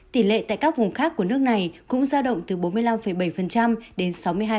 tỷ lệ tại các vùng khác của nước này cũng giao động từ bốn mươi năm bảy đến sáu mươi hai